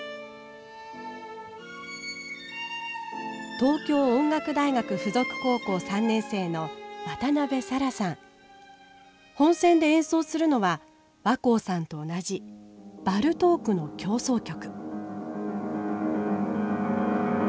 東京音楽大学付属高校３年生の本選で演奏するのは若生さんと同じバルトークの協奏曲。